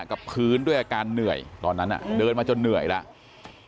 กับพื้นด้วยอาการเหนื่อยตอนนั้นเดินมาจนเหนื่อยแล้ว